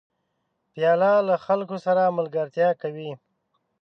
پیاله له خلکو سره ملګرتیا کوي.